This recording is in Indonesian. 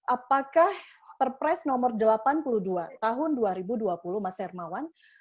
apakah perpres nomor delapan puluh dua tahun dua ribu dua puluh mas hermawan